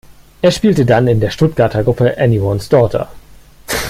Er spielte dann in der Stuttgarter Gruppe Anyone’s Daughter.